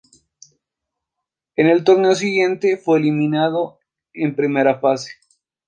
En el torneo siguiente fue eliminado en primera fase.